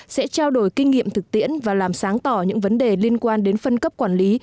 sẽ trao đổi kinh nghiệm thực tiễn và làm sáng tỏ những vấn đề liên quan đến phân cấp quản lý